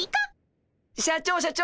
社長社長。